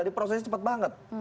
diproses cepat banget